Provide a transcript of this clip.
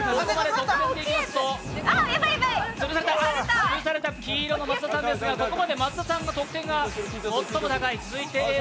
潰された黄色の松田さんですがここまで松田さんの得点が最も高い。